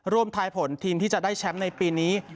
ทายผลทีมที่จะได้แชมป์ในปีนี้